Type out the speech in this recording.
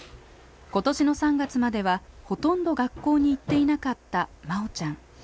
今年の３月まではほとんど学校に行っていなかったまおちゃん。